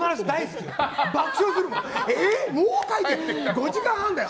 ５時間半だよ。